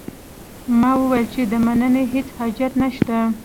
ما وویل چې د مننې هیڅ حاجت نه شته.